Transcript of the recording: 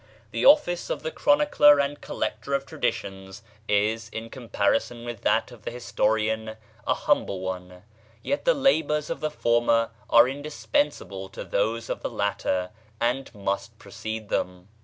The office of the chronicler and collector of traditions is, in comparison with that of the historian, a humble one; yet the labours of the former are indispensable to those of the latter, and must precede them.